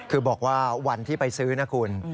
คือบอกว่าวันที่ไปซื้อนะคุณ